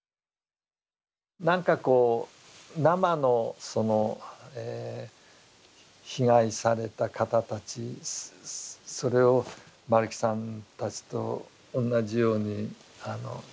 なんかこう生のその被害された方たちそれを丸木さんたちと同じように見たというか。